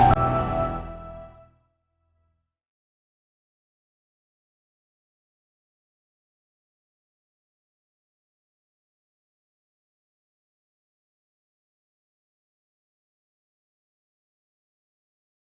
terima kasih banyak ya pak